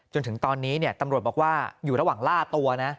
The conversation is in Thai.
จนถึงตอนนี้ตำรวจบอกว่าอยู่ระหว่างล่าตัวนะ